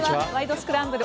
スクランブル」